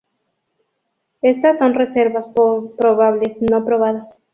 Estas son reservas probables, no probadas.